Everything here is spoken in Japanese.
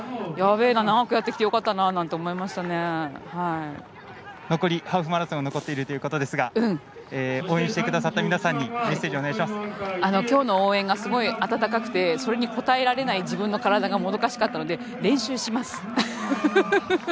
やべえな、長くやってきてよかったななんて残りハーフマラソンが残っているということですが応援してくださった皆さんにきょうの応援がすごい温かくてそれに応えられない自分の体が、もどかしかったので練習します。